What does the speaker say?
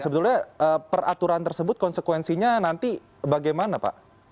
sebetulnya peraturan tersebut konsekuensinya nanti bagaimana pak